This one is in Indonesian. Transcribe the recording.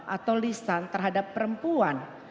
atau lisan terhadap perempuan